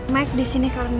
mike disini karena